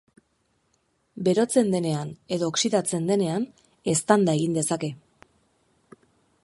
Berotzen denean edo oxidatzen denean, eztanda egin dezake.